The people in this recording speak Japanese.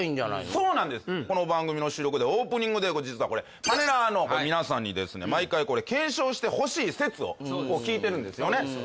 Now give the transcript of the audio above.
そうなんですこの番組の収録でオープニングで実はこれパネラーの皆さんにですね毎回検証してほしい説を聞いてるんですよね